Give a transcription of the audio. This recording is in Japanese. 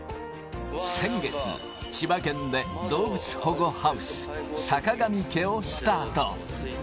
先月、千葉県で動物保護ハウス、さかがみ家をスタート。